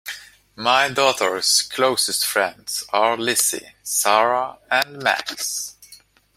My daughter's closest friends are Lizzie, Sarah and Max.